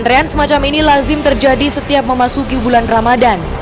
keterian semacam ini lazim terjadi setiap memasuki bulan ramadhan